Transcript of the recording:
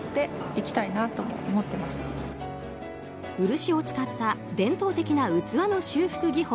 漆を使った伝統的な器の修復技法